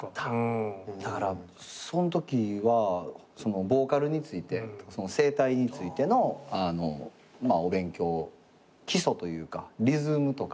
だからそのときはボーカルについて声帯についてのお勉強基礎というかリズムとかから。